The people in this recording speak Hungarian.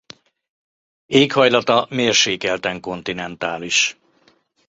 Éghajlata mérsékelten kontinentális.